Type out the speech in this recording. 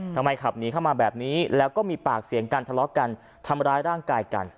ทำไมขับหนีเข้ามาแบบนี้แล้วก็มีปากเสียงกันทะเลาะกันทำร้ายร่างกายกัน